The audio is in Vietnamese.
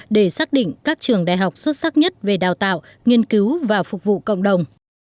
để xác định các trường đại học xuất sắc nhất về đào tạo nghiên cứu và phục vụ cộng đồng